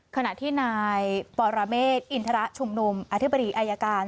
ขณะที่นายปรเมฆอินทรชุมนุมอธิบดีอายการ